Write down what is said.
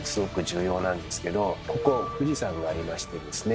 ここ富士山がありましてですね